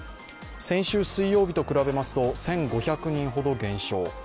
先週水曜日と比べますと１５００人ほど減少。